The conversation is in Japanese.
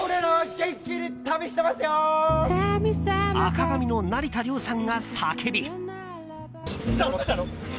赤髪の成田凌さんが叫び。